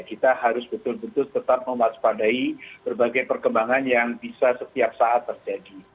kita harus betul betul tetap mewaspadai berbagai perkembangan yang bisa setiap saat terjadi